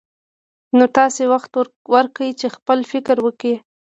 نو تاسې وخت ورکړئ چې خپل فکر وکړي.